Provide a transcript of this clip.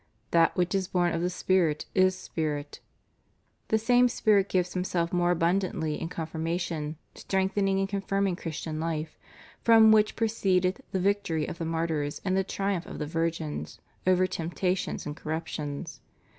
That which is bom of the Spirit, is spirit.' The same Spirit gives Himself more abundantly in Confirmation, strengthening and con firming Christian life; from which proceeded the victory of the martyrs and the triumph of the virgins over tempta tions and corruptions.